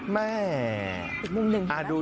นี่อีกมุมนึงนะคะแหม่ยยยยย